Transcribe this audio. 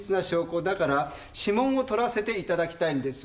だから指紋を採らせていただきたいんです。